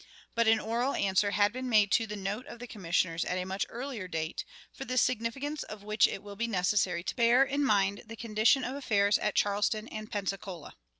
But an oral answer had been made to the note of the Commissioners at a much earlier date, for the significance of which it will be necessary to bear in mind the condition of affairs at Charleston and Pensacola.